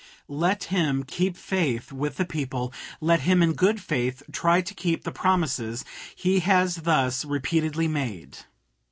Let him keep faith with the people; let him in good faith try to keep the promises he has thus repeatedly made.